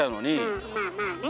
うんまあまあね。